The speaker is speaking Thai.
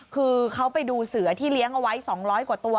คือเขาไปดูเสือที่เลี้ยงเอาไว้๒๐๐กว่าตัว